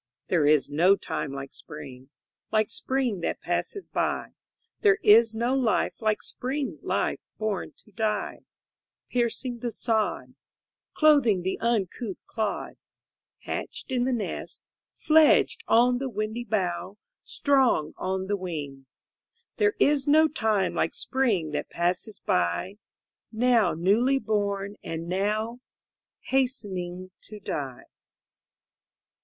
There is no time like Spring, Like Spring that passes by; There is no life like Spring life born to die, Piercing the sod, Clothing the uncouth clod, Hatched in the nest, Fledged on the windy bough, Strong on the wing: There is no time like Spring that passes by, Now newly born, and now Hastening to die.